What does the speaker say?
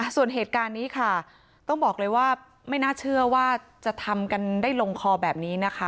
ส่วนเหตุการณ์นี้ค่ะต้องบอกเลยว่าไม่น่าเชื่อว่าจะทำกันได้ลงคอแบบนี้นะคะ